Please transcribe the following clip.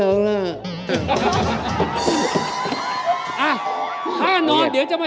นอนกอดแฟน